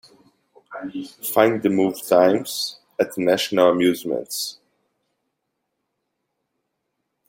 Find the movie times at National Amusements.